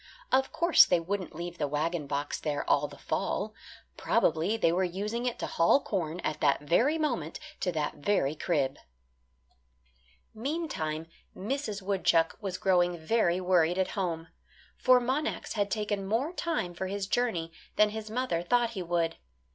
Of course they wouldn't leave the wagon box there all the fall. Probably they were using it to haul corn, at that very moment, to that very crib. Meantime Mrs. Woodchuck was growing very worried at home for Monax had taken more time for his journey than his mother thought he would.